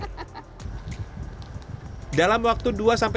telur tidak akan meletas dan berjamur